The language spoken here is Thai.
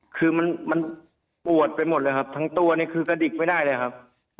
คือมันปวดไปหมดเลยครับทั้งตัวนี่คือกระดิกไม่ได้เลยครับ